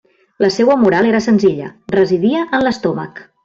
La seua moral era senzilla: residia en l'estómac.